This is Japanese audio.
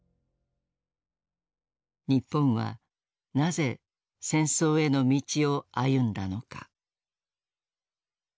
日本はなぜ戦争への道を歩んだのか。